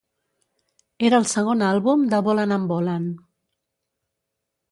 Era el segon àlbum de Bolland and Bolland.